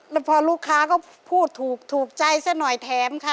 แล้วพอลูกค้าก็พูดถูกถูกใจซะหน่อยแถมค่ะ